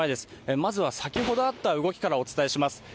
まずは先ほどあった動きからお伝えします。